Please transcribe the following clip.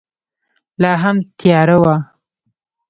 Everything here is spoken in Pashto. لا هم تیاره وه.